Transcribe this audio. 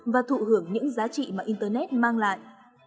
và thụ hưởng những giá trị mà internet mang lại